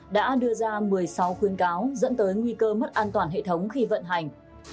đã đưa ra một mươi sáu khuyến cáo dẫn tới nguy cơ mất an toàn hệ thống khi vận hành